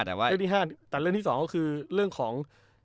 แต่ว่าเรื่องที่๕แต่เรื่องที่๒ก็คือเรื่องของ